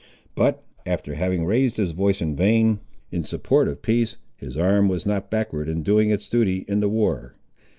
But, after having raised his voice in vain, in support of peace, his arm was not backward in doing its duty in the war.